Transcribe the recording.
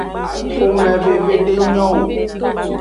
Xomeveve denyo o.